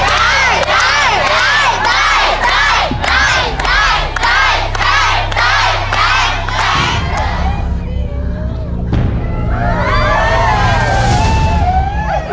ใจใจใจใจใจใจใจ